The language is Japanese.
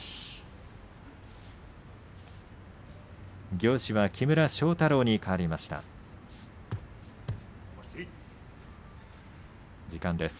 行司は木村庄太郎にかわりました。